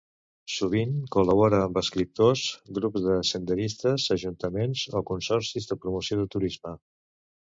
Sovint col·labora amb escriptors, grups de senderistes, ajuntaments o consorcis de promoció de turisme.